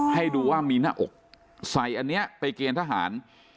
อ๋อให้ดูว่ามีหน้าอกใส่อันเนี้ยไปเกียรติฐาหาร